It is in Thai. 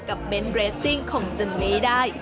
กับเม้นเรซิ่งคงจะไม่ได้